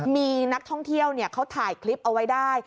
มีนักท่องเที่ยวเขาถ่ายคลิปเอาไว้ได้